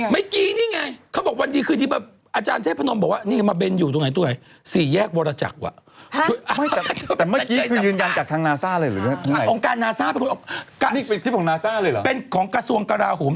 ไม่อยากให้ใครนะคะชินชอบ